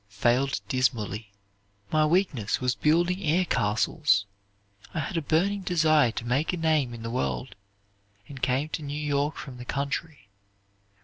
"G. C. S." failed dismally. "My weakness was building air castles. I had a burning desire to make a name in the world, and came to New York from the country.